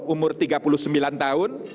umur tiga puluh sembilan tahun